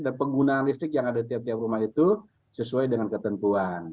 dan penggunaan listrik yang ada di tiap tiap rumah itu sesuai dengan ketentuan